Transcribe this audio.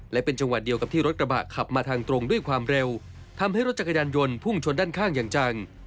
และเป็นจังหวะเดียวกับที่รถกระบะขับมาทางตรงด้วยความเร็วทำให้รถจักรยานยนต์พุ่งชนด้านข้างอย่างจัง